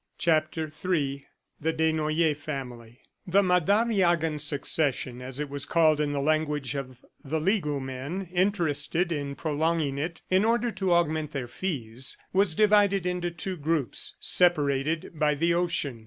CHAPTER III THE DESNOYERS FAMILY The "Madariagan succession," as it was called in the language of the legal men interested in prolonging it in order to augment their fees was divided into two groups, separated by the ocean.